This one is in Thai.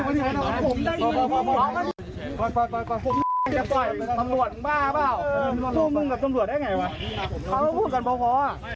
เอาหน้าลองมานี่ไหนลองนี่ก็ผมได้นะ